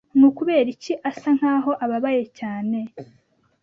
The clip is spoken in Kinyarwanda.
Ni ukubera iki asa nkaho ababaye cyane?